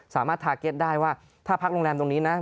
สามารถทาเก็ตได้ว่าถ้าพักโรงแรมตรงนี้นะ